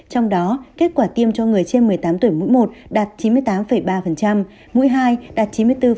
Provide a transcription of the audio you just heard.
trong đó kết quả tiêm cho người trên một mươi tám tuổi mũi một đạt chín mươi tám ba mũi hai đạt chín mươi bốn